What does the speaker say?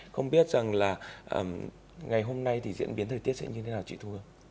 không biết rằng là ngày hôm nay thì diễn biến thời tiết sẽ như thế nào chị thu hương